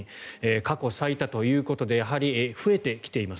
過去最多ということでやはり増えてきています。